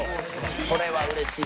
これはうれしいですよ。